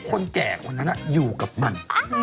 คนแก่คนนั้นอยู่กับมัน